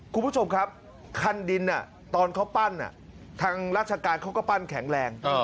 คุณผู้ชมครับคันดินตอนเขาปั้นทางราชการเขาก็ปั้นแข็งแรง